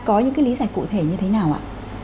có những cái lý giải cụ thể như thế nào ạ